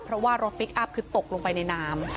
เพราะว่ารถพลิกอัพคือตกลงไปในน้ำ